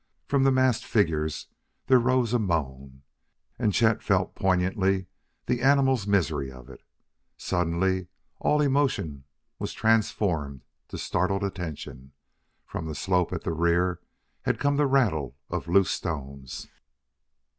From the massed figures there rose a moan, and Chet felt poignantly the animal misery of it. Suddenly all emotion was transformed to startled attention. From the slope at the rear had come the rattle of loose stones!